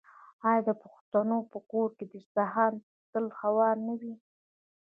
آیا د پښتنو په کور کې دسترخان تل هوار نه وي؟